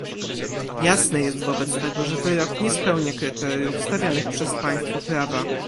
Jasne jest wobec tego, że wyrok nie spełnia kryteriów stawianych przez państwo prawa